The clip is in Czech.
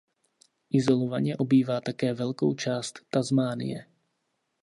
Izolovaně obývá také velkou část Tasmánie.